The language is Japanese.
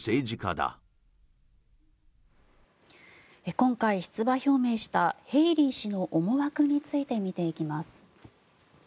今回、出馬表明したヘイリー氏の思惑について見ていきます。